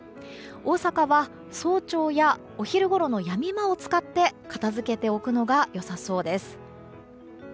大阪は早朝やお昼ごろのやみ間を使って片づけておくのが良さそうです。